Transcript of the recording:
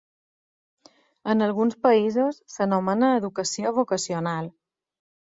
En alguns països s'anomena educació vocacional.